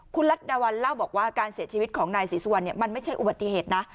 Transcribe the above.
คุณรัฐดาวัลเล่าบอกว่าการเสียชีวิตของนายศรีสุวรรณมันไม่ใช่อุบัติเหตุนะ